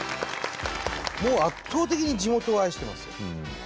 もう圧倒的に地元を愛してますよ。